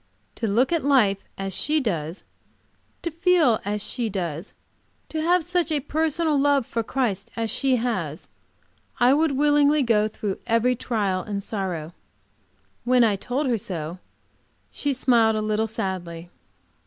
To look at life as she does, to feel as she does, to have such a personal love to Christ as she has, I would willingly go through every trial and sorrow. When I told her so, she smiled, a little sadly.